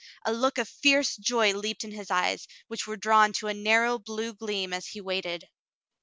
A look of fierce joy leaped in his eyes, which were drawn to a narrow blue gleam as he waited.